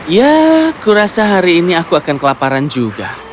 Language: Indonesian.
ya kurasa hari ini aku akan kelaparan juga